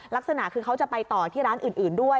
ลักษณะคือเขาจะไปต่อที่ร้านอื่นด้วย